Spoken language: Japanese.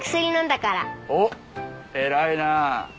おっ偉いなぁ。